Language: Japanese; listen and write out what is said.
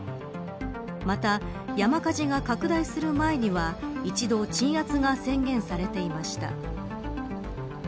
また、山火事が拡大する前には一度鎮圧が宣言されていました。